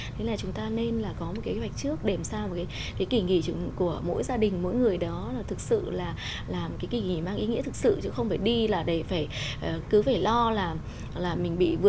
thế là chúng ta nên là có một cái kế hoạch trước để làm sao cái kỷ nghỉ của mỗi gia đình mỗi người đó là thực sự là làm cái kỷ nghỉ mang ý nghĩa thực sự chứ không phải đi là để phải cứ phải lo là mình bị vừa